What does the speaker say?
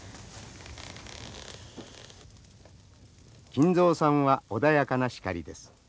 金蔵さんは穏やかなシカリです。